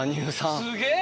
すげえ！